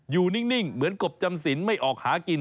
นิ่งเหมือนกบจำสินไม่ออกหากิน